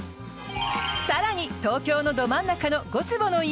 更に、東京のど真ん中の５坪の家。